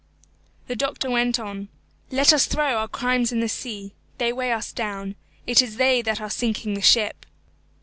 The doctor went on, "Let us throw our crimes into the sea, they weigh us down; it is they that are sinking the ship.